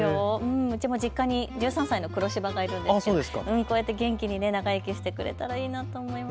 うちも実家に１３歳の黒しばがいるんですけど、こうやって元気に長生きしてくれたらいいなと思います。